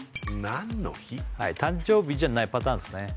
誕生日じゃないパターンですね